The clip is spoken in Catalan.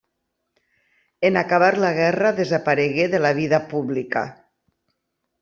En acabar la guerra desaparegué de la vida pública.